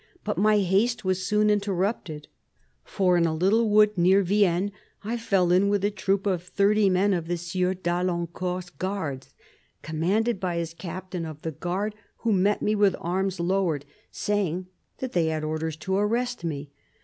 But my haste was soon interrupted, for in a little wood near Vienne I fell in with a troop of thirty men of the Sieur d'Alincourt's guards, commanded by his captain of the guard, who met me with arms lowered, saying that they had orders to arrest me.